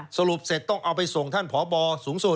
สรุปเสร็จต้องเอาไปส่งท่านพบสูงสุด